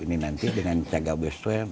ini nanti dengan cagar biosphere